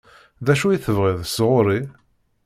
D acu i tebɣiḍ sɣur-i?